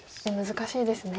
難しいですね。